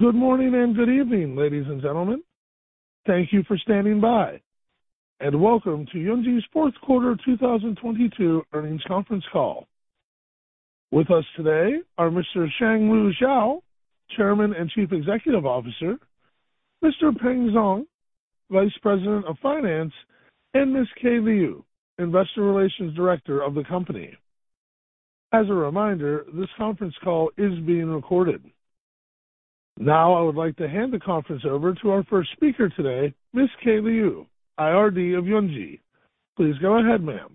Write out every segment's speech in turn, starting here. Good morning and good evening, ladies and gentlemen. Thank you for standing by, and welcome to Yunji's Fourth Quarter of 2022 Earnings Conference Call. With us today are Mr. Shanglue Xiao, Chairman and Chief Executive Officer, Mr. Peng Zhang, Vice President of Finance, and Ms. Kaye Liu, Investor Relations Director of the company. As a reminder, this conference call is being recorded. Now, I would like to hand the conference over to our first speaker today, Ms. Kaye Liu, IRD of Yunji. Please go ahead, ma'am.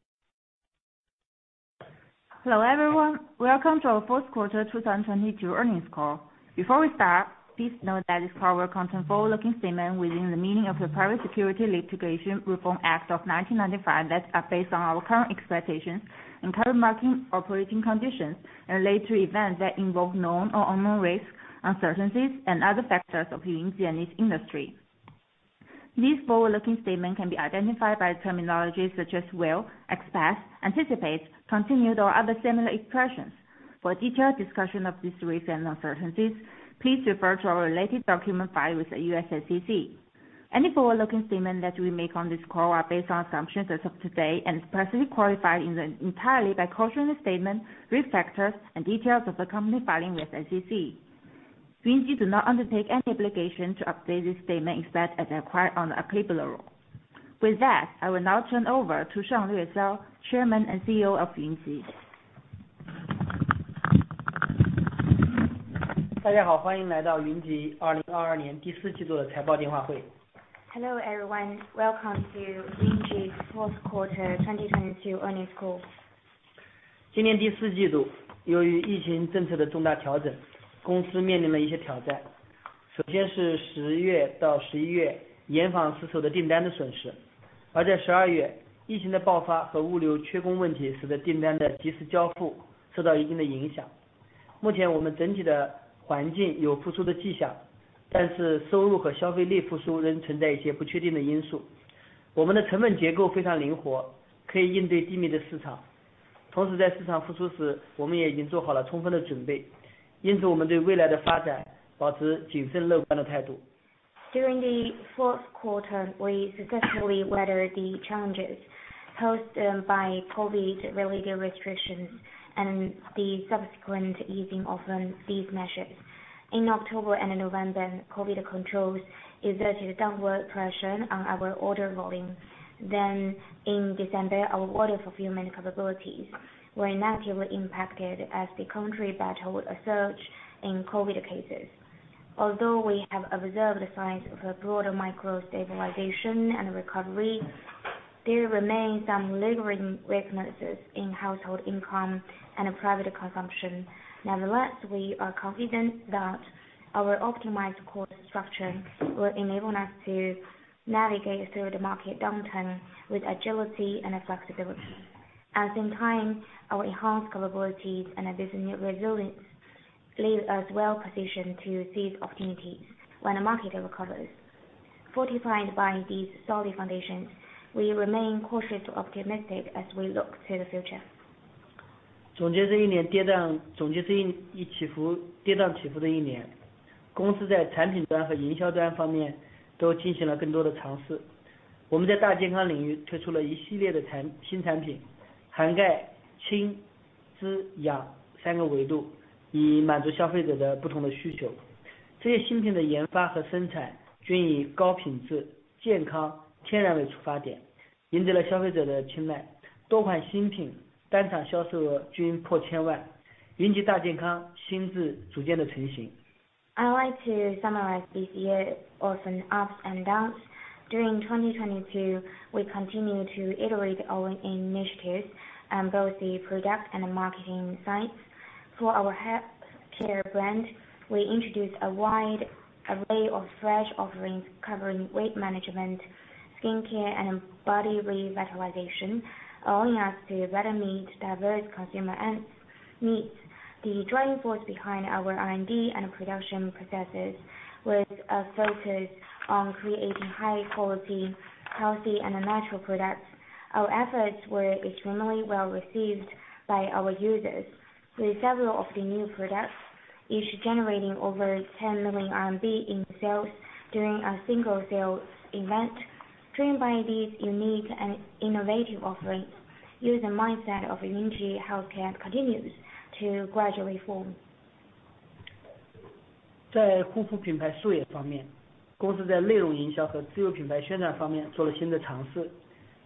Hello, everyone. Welcome to our fourth quarter 2022 earnings call. Before we start, please note that this call will contain forward-looking statement within the meaning of the Private Securities Litigation Reform Act of 1995 that are based on our current expectations and current market operating conditions and relate to events that involve known or unknown risks, uncertainties and other factors affecting Yunji and its industry. These forward-looking statement can be identified by terminology such as will, expect, anticipate, continued, or other similar expressions. For a detailed discussion of these risks and uncertainties, please refer to our related document filed with the SEC. Any forward-looking statement that we make on this call are based on assumptions as of today and is specifically qualified in entirely by cautionary statement, risk factors and details of the company filing with SEC. Yunji do not undertake any obligation to update this statement, except as required on a quarterly roll. With that, I will now turn over to Shanglue Xiao, Chairman and CEO of Yunji. Hello, everyone. Welcome to Yunji's fourth quarter 2022 earnings call. I would like to summarize this year of ups and downs. During 2022, we continue to iterate our initiatives on both the product and the marketing sides. For our healthcare brand, we introduced a wide array of fresh offerings covering weight management, skincare and body revitalization, allowing us to better meet diverse consumer ends needs. The driving force behind our R&D and production processes was focused on creating high quality, healthy and natural products. Our efforts were extremely well-received by our users, with several of the new products each generating over 10 million RMB in sales during a single sales event. Driven by these unique and innovative offerings, user mindset of Yunji healthcare continues to gradually form.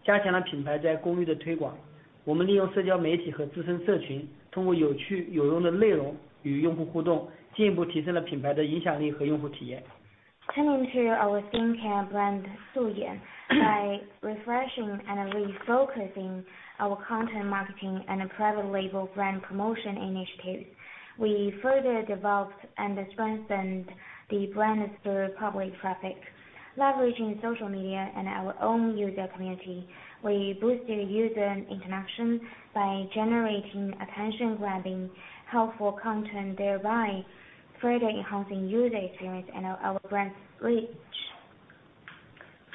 Turning to our skincare brand, SUYE. By refreshing and refocusing our content marketing and private label brand promotion initiatives, we further developed and strengthened the brand through public traffic. Leveraging social media and our own user community, we boosted user interaction by generating attention grabbing, helpful content, thereby further enhancing user experience and our brand reach.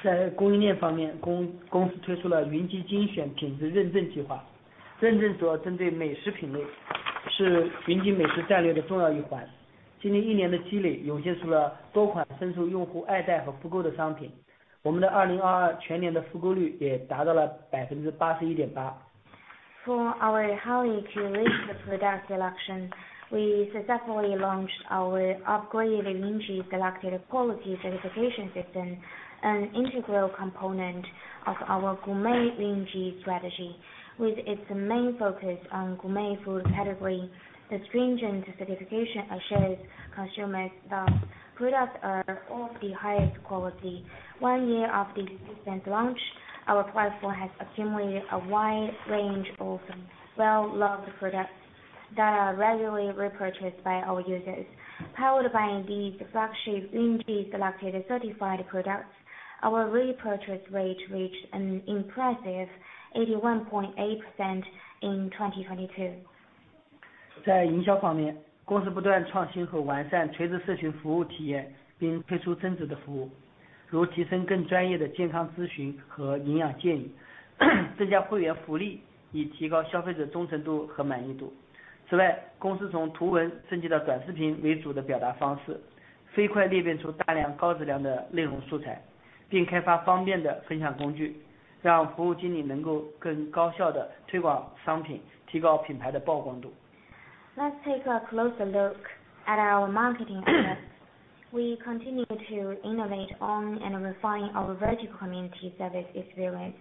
在供应链方 面， 公-公司推出了云集精选品质认证计划。认证主要针对美食品 类， 是云集美食战略的重要一环。经历一年的积 累， 涌现出了多款深受用户爱戴和复购的商品。我们的2022全年的复购率也达到了百分之八十一点八。For our high-quality product selection, we successfully launched our upgraded Yunji Selected quality certification system, an integral component of our gourmet Yunji strategy. With its main focus on gourmet food category, the stringent certification assures consumers that products are of the highest quality. One year after the system's launch, our platform has accumulated a wide range of well-loved products that are regularly repurchased by our users. Powered by these flagship Yunji Selected certified products, our repurchase rate reached an impressive 81.8% in 2022. 在营销方 面, 公司不断创新和完善垂直社群服务体 验, 并推出增值的服 务, 如提升更专业的健康咨询和营养建 议, 增加会员福 利, 以提高消费者忠诚度和满意 度. 此 外, 公司从图文升级到短视频为主的表达方 式, 飞快裂变出大量高质量的内容素 材, 并开发方便的分享工 具, 让服务经理能够更高效地推广商 品, 提高品牌的曝光 度. Let's take a closer look at our marketing efforts. We continue to innovate on and refine our vertical community service experience.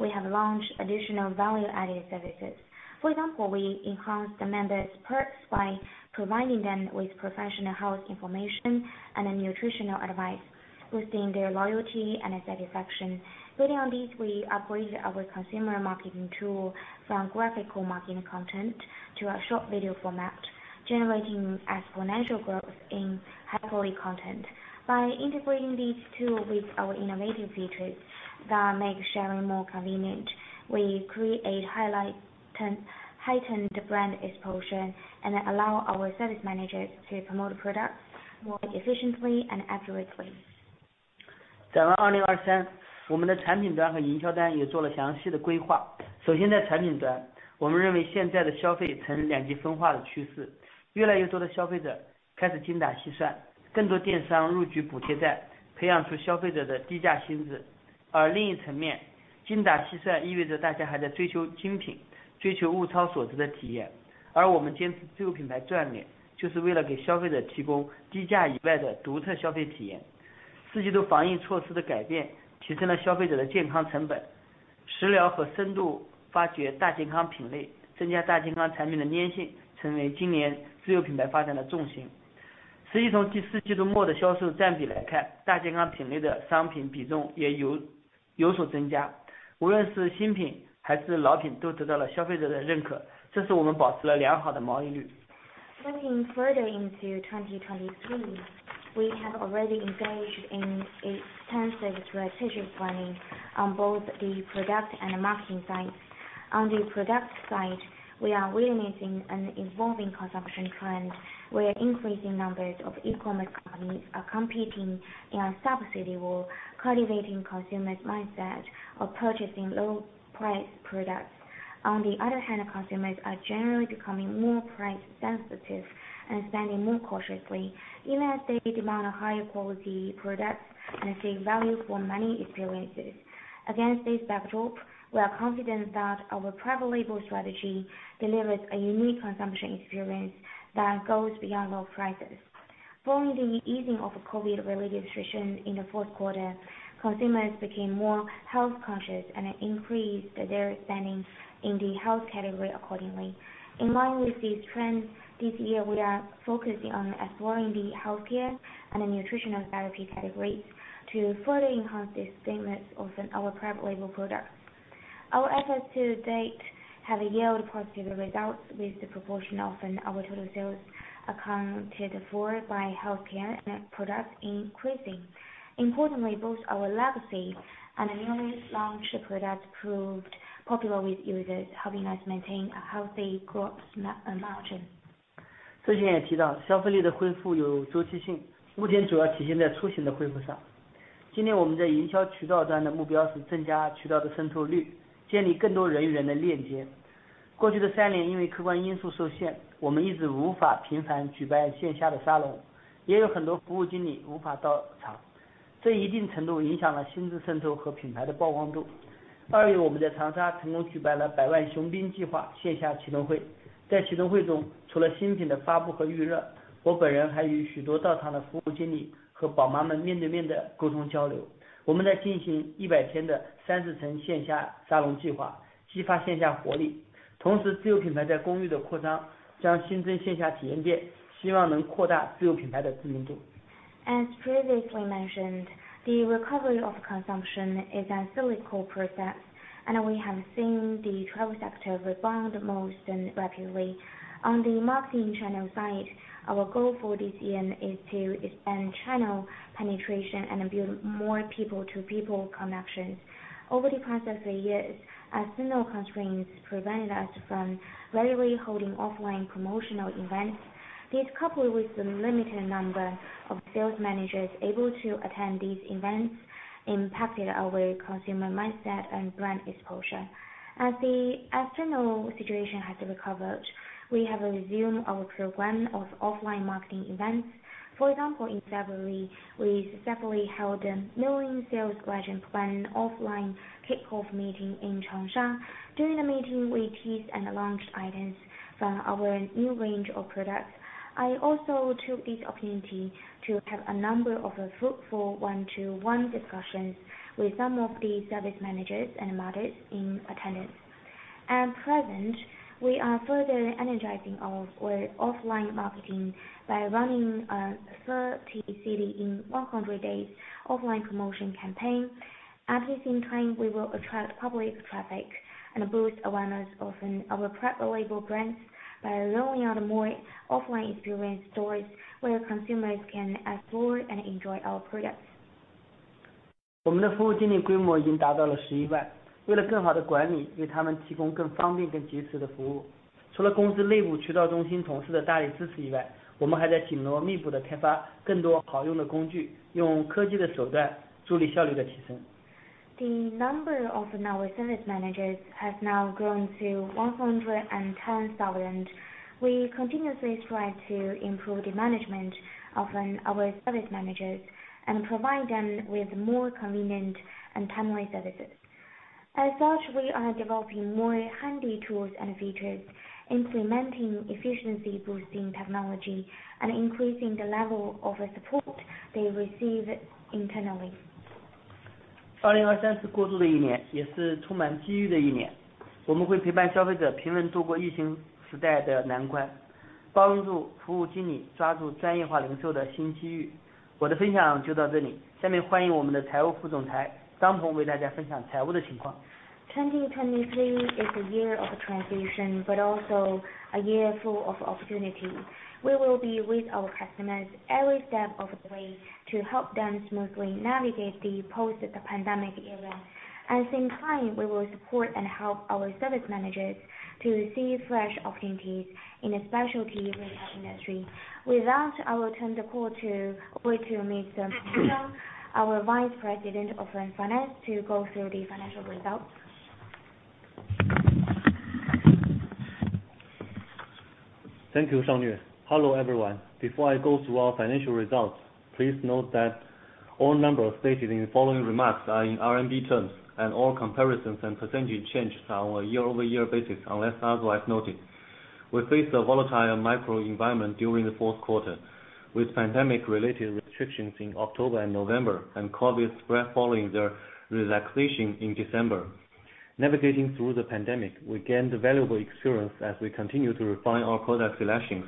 We have launched additional value-added services. For example, we enhanced the members perks by providing them with professional health information and nutritional advice, boosting their loyalty and satisfaction. Building on these, we upgraded our consumer marketing tool from graphical marketing content to a short video format, generating exponential growth in high-quality content. By integrating these two with our innovative features that make sharing more convenient, we create heightened brand exposure, and allow our service managers to promote products more efficiently and accurately. 展望 2023， 我们的产品端和营销端也做了详细的规划。首先在产品 端， 我们认为现在的消费呈两极分化的趋 势， 越来越多的消费者开始精打细 算， 更多电商入局补贴 战， 培养出消费者的低价心智。而另一层 面， 精打细算意味着大家还在追求精 品， 追求物超所值的体验。而我们坚持自有品牌战 略， 就是为了给消费者提供低价以外的独特消费体验。四季度防疫措施的改变，提升了消费者的健康成本。食疗和深度发掘大健康品 类， 增加大健康产品的粘 性， 成为今年自有品牌发展的重型。实际从第四季度末的销售占比来 看， 大健康品类的商品比重也有所增加。无论是新品还是老品都得到了消费者的认 可， 这使我们保持了良好的毛利率。Looking further into 2023, we have already engaged in extensive strategic planning on both the product and marketing sides. On the product side, we are witnessing an evolving consumption trend, where increasing numbers of e-commerce companies are competing in a subsidy war, cultivating consumers mindset of purchasing low price products. On the other hand, consumers are generally becoming more price sensitive and spending more cautiously, even as they demand higher quality products and seek value for money experiences. Against this backdrop, we are confident that our private label strategy delivers a unique consumption experience that goes beyond low prices. Following the easing of COVID-related restrictions in the fourth quarter, consumers became more health conscious and increased their spending in the health category accordingly. In line with these trends, this year, we are focusing on exploring the healthcare and nutritional therapy categories to further enhance the distinctiveness of our private label products. Our efforts to date have yielded positive results, with the proportion of our total sales accounted for by healthcare products increasing. Importantly, both our legacy and our newly launched products proved popular with users, helping us maintain a healthy gross margin. 之前也提到消费力的恢复有周期 性， 目前主要体现在出行的恢复上。今年我们在营销渠道端的目标是增加渠道的渗透 率， 建立更多人与人的链接。过去的三 年， 因为客观因素受 限， 我们一直无法频繁举办线下的沙 龙， 也有很多服务经理无法到 场， 这一定程度影响了新知渗透和品牌的曝光度。二 月， 我们在长沙成功举办了百万雄兵计划线下启动会。在启动会 中， 除了新品的发布和预 热， 我本人还与许多到场的服务经理和宝妈们面对面地沟通交流。我们在进行一百天的三十城线下沙龙计 划， 激发线下活力。同 时， 自有品牌在公寓的扩张将新增线下体验 店， 希望能扩大自有品牌的知名度。As previously mentioned, the recovery of consumption is a cyclical process, and we have seen the travel sector rebound most rapidly. On the marketing channel side, our goal for this year is to expand channel penetration and build more people-to-people connections. Over the past three years, as similar constraints prevented us from regularly holding offline promotional events. This, coupled with the limited number of sales managers able to attend these events, impacted our consumer mindset and brand exposure. As the external situation has recovered, we have resumed our program of offline marketing events. For example, in February, we successfully held the million sales legend plan offline kickoff meeting in Changsha. During the meeting, we teased and launched items from our new range of products. I also took this opportunity to have a number of fruitful one-to-one discussions with some of the service managers and managers in attendance. At present, we are further energizing our offline marketing by running a 30 city in 100 days offline promotion campaign. At the same time, we will attract public traffic and boost awareness of our private label brands by rolling out more offline experience stores where consumers can explore and enjoy our products. The number of our service managers has now grown to 110,000. We continuously strive to improve the management of our service managers and provide them with more convenient and timely services. As such, we are developing more handy tools and features, implementing efficiency-boosting technology, and increasing the level of support they receive internally. 2023 is a year of transition, but also a year full of opportunity. We will be with our customers every step of the way to help them smoothly navigate the post-pandemic era. At the same time, we will support and help our service managers to see fresh opportunities in the specialty retail industry. With that, I will turn the call to Peng Zhang, our Vice President of Finance, to go through the financial results. Thank you, Shanglue. Hello, everyone. Before I go through our financial results, please note that all numbers stated in the following remarks are in RMB terms, and all comparisons and percentage changes are on a year-over-year basis, unless otherwise noted. We faced a volatile macro environment during the fourth quarter, with pandemic-related restrictions in October and November and COVID spread following the relaxation in December. Navigating through the pandemic, we gained valuable experience as we continue to refine our product selections,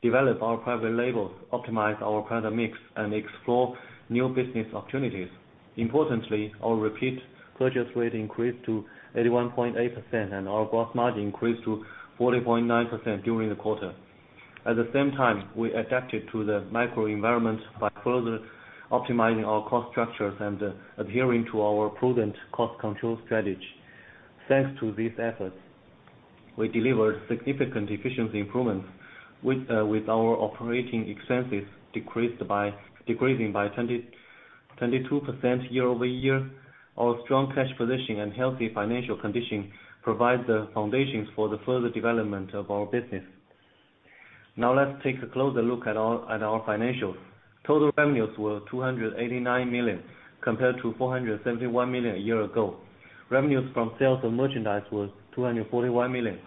develop our private labels, optimize our product mix, and explore new business opportunities. Importantly, our repeat purchase rate increased to 81.8%, and our gross margin increased to 40.9% during the quarter. At the same time, we adapted to the macro environment by further optimizing our cost structures and adhering to our prudent cost control strategy. Thanks to these efforts, we delivered significant efficiency improvements with our operating expenses decreasing by 22% year-over-year. Our strong cash position and healthy financial condition provides the foundations for the further development of our business. Let's take a closer look at our financials. Total revenues were 289 million, compared to 471 million a year ago. Revenues from sales of merchandise were 241 million,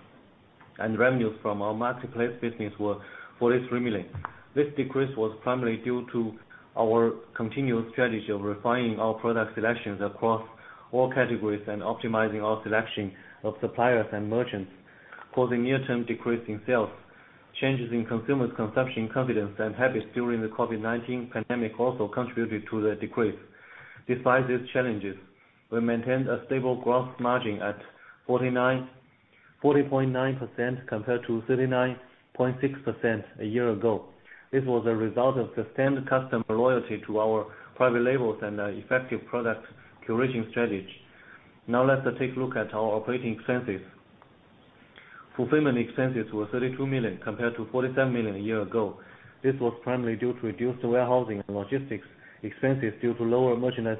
and revenues from our marketplace business were 43 million. This decrease was primarily due to our continuous strategy of refining our product selections across all categories and optimizing our selection of suppliers and merchants, causing near-term decrease in sales. Changes in consumers' consumption confidence and habits during the COVID-19 pandemic also contributed to the decrease. Despite these challenges, we maintained a stable gross margin at 40.9% compared to 39.6% a year ago. This was a result of sustained customer loyalty to our private labels and an effective product curation strategy. Let's take a look at our operating expenses. Fulfillment expenses were 32 million, compared to 47 million a year ago. This was primarily due to reduced warehousing and logistics expenses due to lower merchandise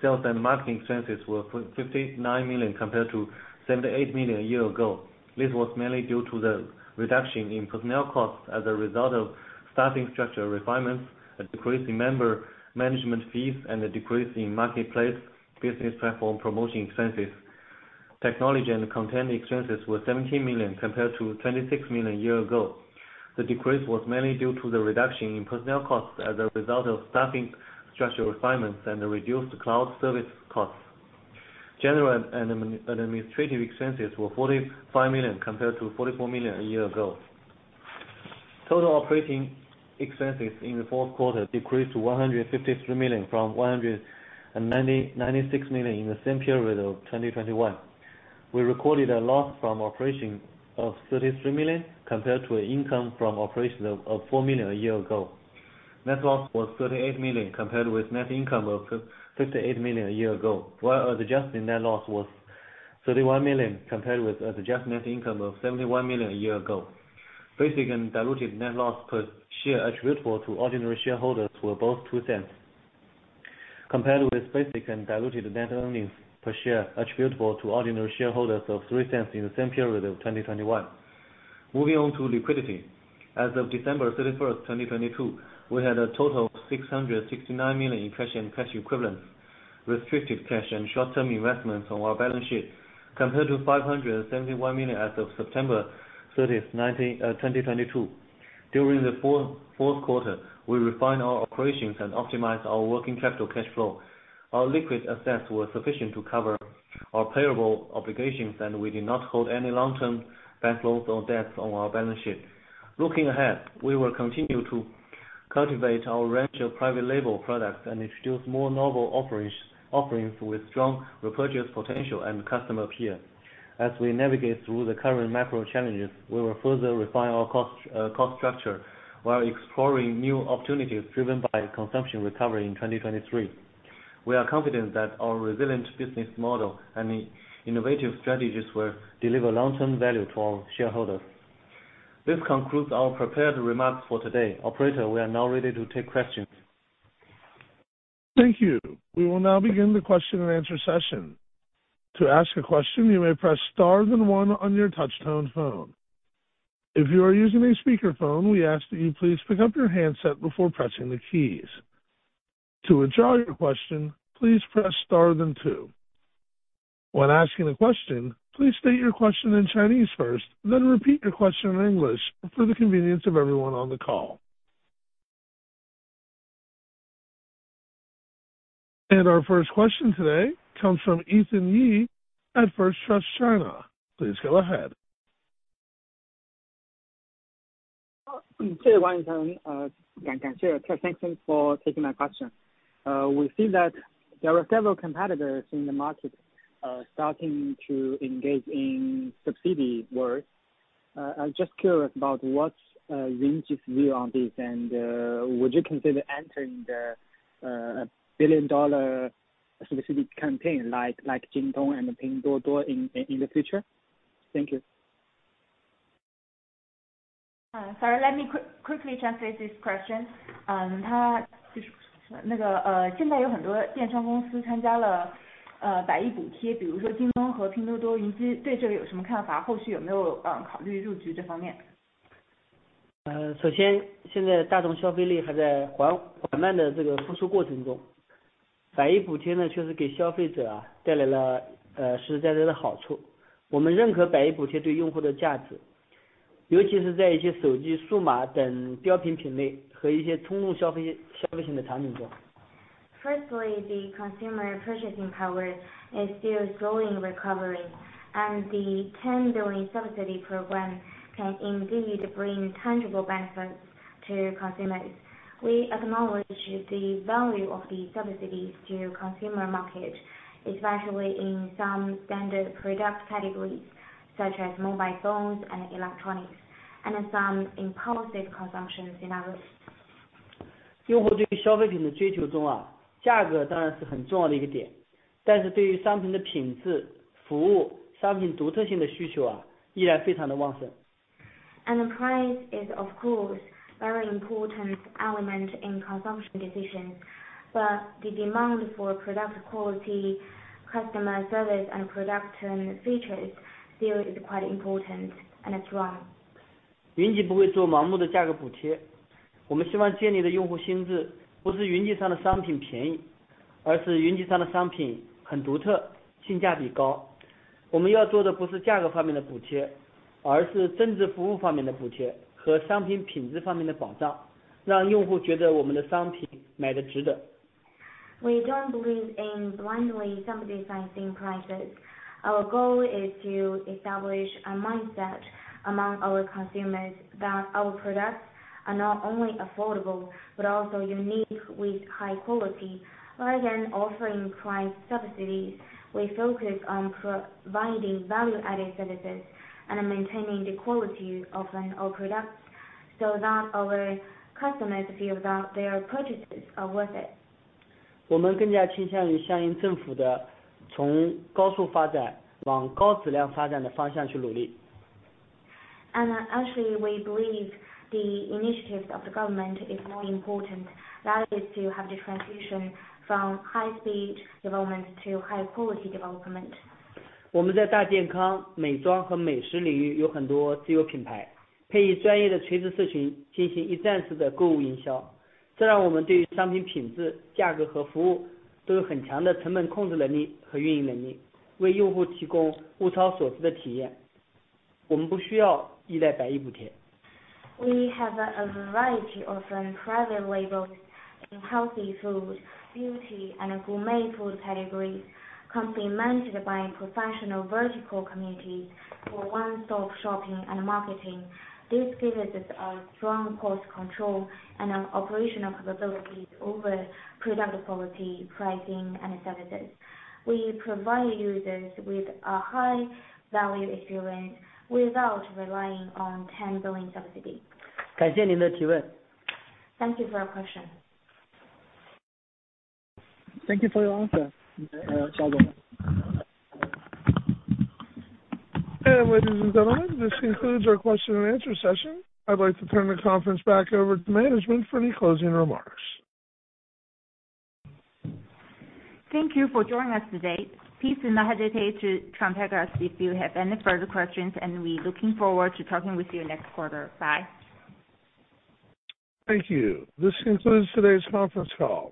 sales. Sales and marketing expenses were 59 million, compared to 78 million a year ago. This was mainly due to the reduction in personnel costs as a result of staffing structure refinements, a decrease in member management fees, and a decrease in marketplace business platform promotion expenses. Technology and content expenses were 17 million, compared to 26 million a year ago. The decrease was mainly due to the reduction in personnel costs as a result of staffing structure refinements and a reduced cloud service costs. General and administrative expenses were 45 million, compared to 44 million a year ago. Total operating expenses in the fourth quarter decreased to 153 million from 196 million in the same period of 2021. We recorded a loss from operations of 33 million, compared to an income from operations of 4 million a year ago. Net loss was 38 million, compared with net income of 58 million a year ago, while our adjusted net loss was 31 million compared with the adjusted net income of 71 million a year ago. Basic and diluted net loss per share attributable to ordinary shareholders were both 0.02, compared with basic and diluted net earnings per share attributable to ordinary shareholders of 0.03 in the same period of 2021. Moving on to liquidity. As of December 31st, 2022, we had a total of 669 million in cash and cash equivalents, restricted cash and short-term investments on our balance sheet, compared to 571 million as of September 30th, 2022. During the fourth quarter, we refined our operations and optimized our working capital cash flow. Our liquid assets were sufficient to cover our payable obligations, and we did not hold any long term bank loans or debts on our balance sheet. Looking ahead, we will continue to cultivate our range of private label products and introduce more novel offerings with strong repurchase potential and customer appeal. As we navigate through the current macro challenges, we will further refine our cost structure while exploring new opportunities driven by consumption recovery in 2023. We are confident that our resilient business model and innovative strategies will deliver long-term value to our shareholders. This concludes our prepared remarks for today. Operator, we are now ready to take questions. Thank you. We will now begin the question and answer session. To ask a question, you may press star then one on your touch-tone phone. If you are using a speakerphone, we ask that you please pick up your handset before pressing the keys. To withdraw your question, please press star then two. When asking a question, please state your question in Chinese first, then repeat your question in English for the convenience of everyone on the call. Our first question today comes from Ethan Yu at First Trust China. Please go ahead. Thank you for taking my question. We see that there are several competitors in the market starting to engage in subsidy wars. I'm just curious about what Yunji's view on this and would you consider entering the billion-dollar subsidy campaign like Jingdong and Pinduoduo in the future? Thank you. Sorry, let me quickly translate this question. The consumer purchasing power is still slowly recovering, the 10 billion subsidy program can indeed bring tangible benefits to consumers. We acknowledge the value of these subsidies to consumer market, especially in some standard product categories such as mobile phones and electronics, and some impulsive consumptions in our list. The price is of course very important element in consumption decisions, but the demand for product quality, customer service, and product features still is quite important and strong. We don't believe in blindly subsidizing prices. Our goal is to establish a mindset among our consumers that our products are not only affordable, but also unique with high quality. Rather than offering price subsidies, we focus on pro-providing value-added services and maintaining the quality of our products so that our customers feel that their purchases are worth it. Actually, we believe the initiatives of the government is more important. That is to have the transition from high-speed development to high-quality development. We have a variety of private labels in healthy food, beauty, and gourmet food categories complemented by professional vertical communities for one-stop shopping and marketing. This gives us a strong cost control and operational capabilities over product quality, pricing, and services. We provide users with a high value experience without relying on ten billion subsidy. Thank you for your question. Thank you for your answer. Ladies and gentlemen, this concludes our question and answer session. I'd like to turn the conference back over to management for any closing remarks. Thank you for joining us today. Please do not hesitate to contact us if you have any further questions and we looking forward to talking with you next quarter. Bye. Thank you. This concludes today's conference call.